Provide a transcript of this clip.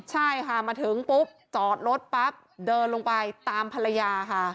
ใช่ค่ะมาถึงปุ๊บจอดรถปั๊บเดินลงไปตามภรรยาค่ะ